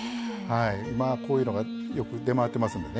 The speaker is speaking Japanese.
今こういうのがよく出回ってますんでね